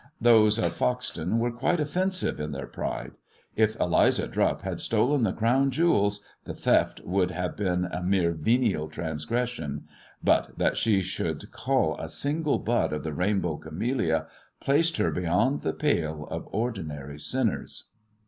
Those of Foxton were quite offensive in their pride. If Eliza Drupp had stolen the Crown jewels the theft would have been a mere venial transgression; but that she should cull a single bud of the rainbow camellia placed her beyond the pale of ordinary sinners.